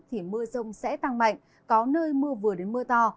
thì mưa rông sẽ tăng mạnh có nơi mưa vừa đến mưa to